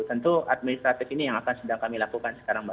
tentu administratif ini yang akan sedang kami lakukan